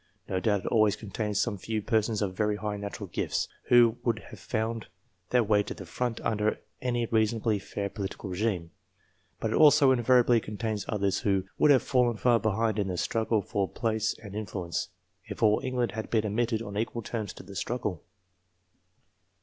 No doubt it always contains some few persons of very high natural gifts, who would have found their way to the front under any reasonably fair political regime, but it also invariably contains others who would have fallen far behind in the struggle for place and influence, if all England had been admitted on equal terms to the struggle.